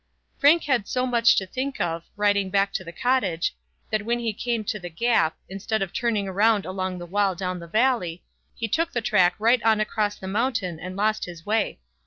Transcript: Frank had so much to think of, riding back to the Cottage, that when he came to the gap, instead of turning round along the wall down the valley, he took the track right on across the mountain and lost his way.